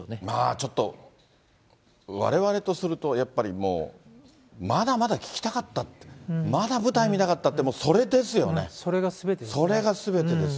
ちょっと、われわれとすると、やっぱりもうまだまだ聴きたかって、まだ舞台見たかったって、そそれがすべてです。